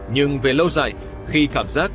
nhưng về lâu dài khi cảm giác